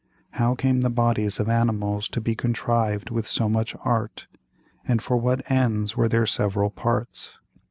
How came the Bodies of Animals to be contrived with so much Art, and for what ends were their several Parts?